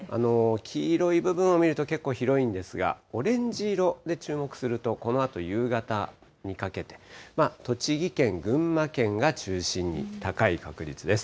黄色い部分を見ると、結構広いんですが、オレンジ色で注目すると、このあと夕方にかけて、栃木県、群馬県が中心に高い確率です。